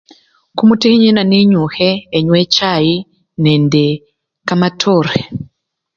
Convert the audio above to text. Kumutikhinyi naninyukhe inwa-echayi nende kamatore